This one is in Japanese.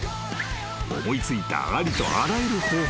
［思い付いたありとあらゆる方法で挑戦］